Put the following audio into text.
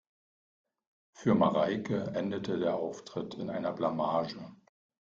Für Mareike endete der Auftritt in einer Blamage.